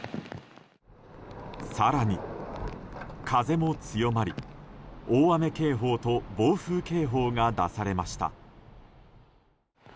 更に、風も強まり大雨警報と暴風警報が出されました。